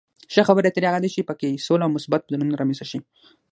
ښه خبرې اترې هغه دي چې په کې سوله او مثبت بدلون رامنځته شي.